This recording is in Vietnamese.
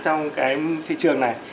trong cái thị trường này